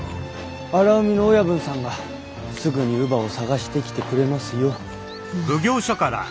荒海の親分さんがすぐに乳母を探してきてくれますよ。